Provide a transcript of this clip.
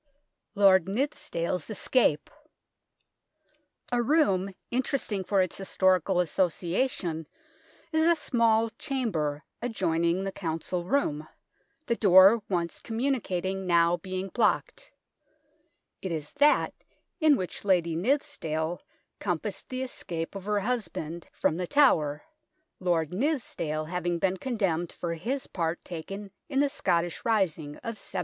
LORD NITHSD ALE'S ESCAPE A room interesting for its historical associa tion is a small chamber adjoining the Council Room, the door once communicating now being blocked. It is that in which Lady Nithsdale compassed the escape of her hus 122 THE TOWER OF LONDON band from The Tower, Lord Nithsdale having been condemned for his part taken in the Scottish rising of 1715.